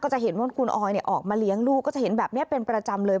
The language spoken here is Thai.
จะเห็นว่าคุณออยออกมาเลี้ยงลูกก็จะเห็นแบบนี้เป็นประจำเลย